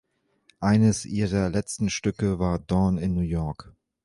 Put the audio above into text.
Eines ihrer letzten Stücke war „Dawn in New York“.